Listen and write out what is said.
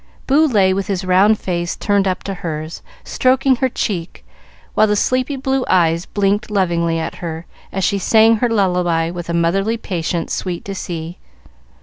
Boo lay with his round face turned up to hers, stroking her cheek while the sleepy blue eyes blinked lovingly at her as she sang her lullaby with a motherly patience sweet to see.